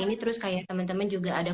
ini terus kayak teman teman juga ada